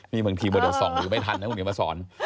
มีบางทีมันจะส่องอยู่ไม่ทันนะผมอย่ามาสอน